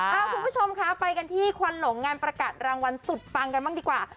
คุณผู้ชมคะไปกันที่ควันหลงงานประกาศรางวัลสุดปังกันบ้างดีกว่า